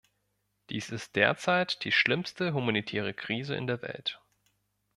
Dies ist derzeit die schlimmste humanitäre Krise in der Welt.